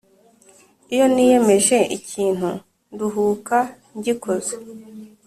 Iyo niyemeje ikintu nduruhuka ngikoze